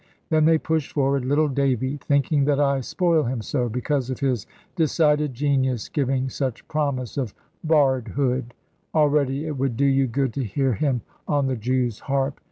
Then they push forward little Davy, thinking that I spoil him so, because of his decided genius giving such promise of bard hood already it would do you good to hear him on the Jew's harp.